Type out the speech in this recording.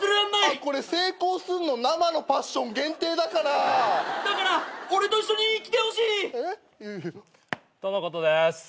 あっこれ成功すんの生のパッション限定だから。だから俺と一緒に来てほしい！とのことです。